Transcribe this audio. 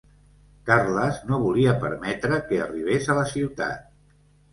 Carles no volia permetre que arribés a la ciutat.